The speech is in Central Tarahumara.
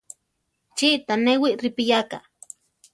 ¿Chí tanéwi ripiyáka.